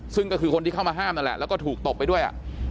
ซึ่งก็คือคนที่เข้ามาห้ามก็ถูกตบไปด้วย